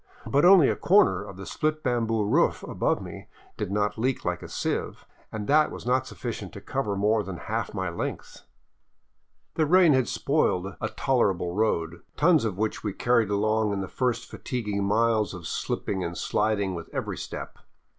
But only a corner of the split bamboo roof above me did not leak like a sieve, and that was not sufficient to cover more than half my length. The rain had spoiled a tolerable road, tons of which we carried along in the first fatiguing miles of slipping and sliding with every step.